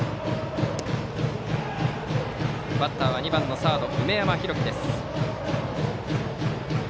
バッターは２番サード梅山浩輝です。